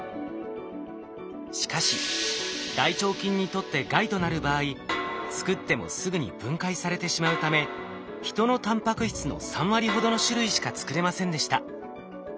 しかし大腸菌にとって害となる場合作ってもすぐに分解されてしまうため人のタンパク質の３割ほどの種類しか作れませんでした。